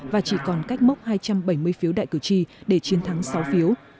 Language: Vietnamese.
và chỉ còn cách mốc hai trăm bảy mươi phiếu đại cử tri để chiến thắng sáu phiếu